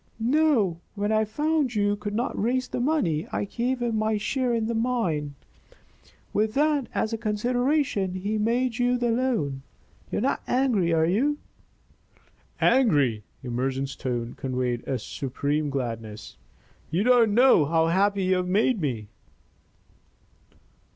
"No! When I found you could not raise the money, I gave him my share in the mine. With that as a consideration, he made you the loan. You are not angry, are you?" "Angry!" Emerson's tone conveyed a supreme gladness. "You don't know how happy you have made me."